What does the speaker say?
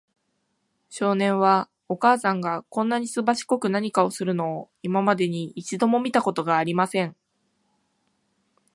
少年は、お母さんがこんなにすばしこく何かするのを、今までに一度も見たことがありません。